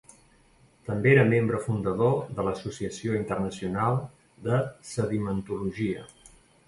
També era membre fundador de l'Associació Internacional de Sedimentologia.